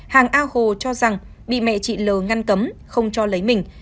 hàng a hồ cho rằng bị mẹ chị l ngăn cấm không cho lấy mình